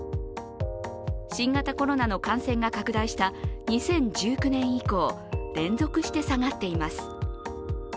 新型コロナの感染が拡大した２０１９年以降、連続して下がっています。